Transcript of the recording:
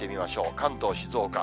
関東、静岡。